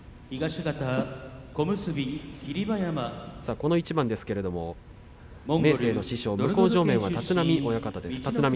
この一番ですが明生の師匠向正面、春日野親方です。